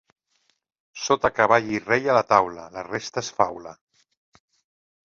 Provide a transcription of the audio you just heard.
Sota, cavall i rei a la taula, la resta és faula.